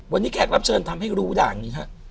วันนี้แขกรับเชิญทำให้รู้ด่านนี้ฮะ